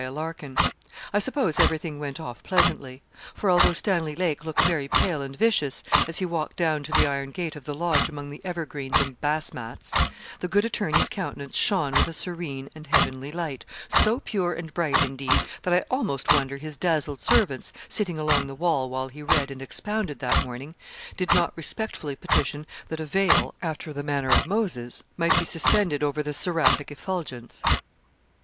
Larkin. I suppose everything went off pleasantly. For although Stanley Lake looked very pale and vicious as he walked down to the iron gate of the Lodge among the evergreens and bass mats, the good attorney's countenance shone with a serene and heavenly light, so pure and bright, indeed, that I almost wonder his dazzled servants, sitting along the wall while he read and expounded that morning, did not respectfully petition that a veil, after the manner of Moses, might be suspended over the seraphic effulgence.